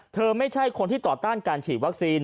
ไม่ใช่คนที่ต่อต้านการฉีดวัคซีน